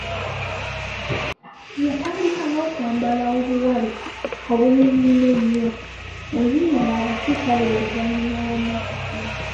Yatandika n’okwambala obuwale obumumiima ennyo, enviiri ng’azikyusa buli luvannyuma lwa nnaku bbiri.